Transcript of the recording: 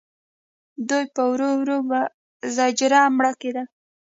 دوی به ورو ورو په زجر مړه کېدل.